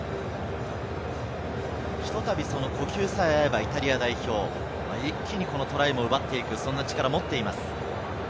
ひと度、呼吸さえ合えばイタリア代表、一気にトライも奪っていく力を持っています。